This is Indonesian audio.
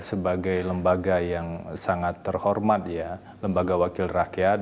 sebagai lembaga yang sangat terhormat ya lembaga wakil rakyat